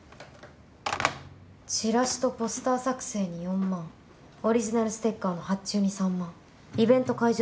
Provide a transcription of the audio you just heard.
ちらしとポスター作成に４万オリジナルステッカーの発注に３万イベント会場